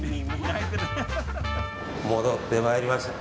戻ってまいりました。